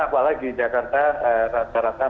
apalagi jakarta rata rata